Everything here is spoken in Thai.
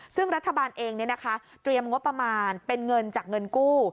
ซึ่งรัฐบาลเองเนี่ยนะคะพรีมงวดประมาณเป็นเงินจากเงินกู้